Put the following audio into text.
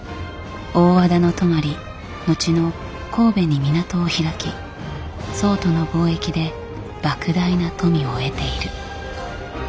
大輪田泊後の神戸に港を開き宋との貿易で莫大な富を得ている。